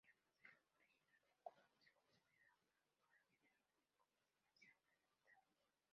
El modelo original de Kuhn se considera ahora generalmente como demasiado limitado.